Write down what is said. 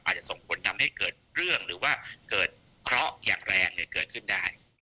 อาจจะส่งผลทำให้เกิดเรื่องหรือว่าเกิดเคราะห์อย่างแรงเกิดขึ้นได้